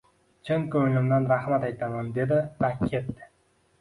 Chin koʻnglimdan rahmat aytaman, dedi va ketdi